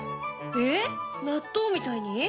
えっ納豆みたいに？